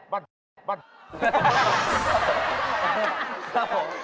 บ้านครับครับผม